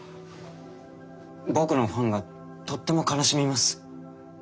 僕のファンがとっても悲しみます。